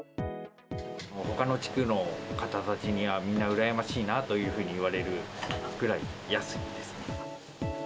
ほかの地区の方たちには、みんな、羨ましいなというふうに言われるくらい安いです。